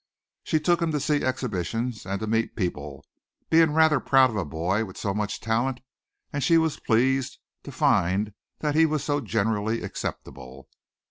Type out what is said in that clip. She took him to see exhibitions, and to meet people, being rather proud of a boy with so much talent; and she was pleased to find that he was so generally acceptable.